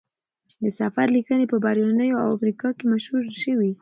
د سفر لیکنې په بریتانیا او امریکا کې مشهورې شوې.